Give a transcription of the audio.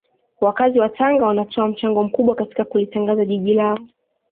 Wakazi wa Tanga wanatoa mchango mkubwa katika kulitangaza jiji lao